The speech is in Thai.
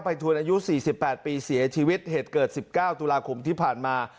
ทวนอายุ๔๘ปีเสียชีวิตเหตุเกิด๑๙ตุลาคมที่ผ่านมา